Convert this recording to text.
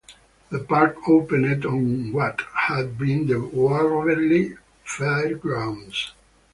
The park opened on what had been the Waverly Fairgrounds.